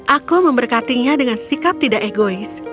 aku memberkatinya dengan sikap tidak egois